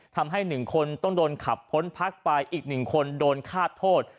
ทำให้๑คนต้องโดนขับพ้นพักไปอีก๑คนโดนฆาตโทษ